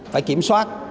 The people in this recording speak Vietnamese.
phải kiểm soát